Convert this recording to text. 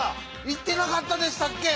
いってなかったでしたっけ？